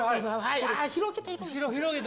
広げて。